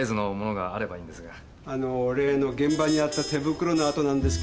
・あのー例の現場にあった手袋の跡なんですけども。